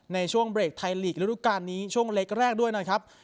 ในช่วงเบรกไทยลีกระดูกาลนี้ช่วงเล็กแรกด้วยนะครับ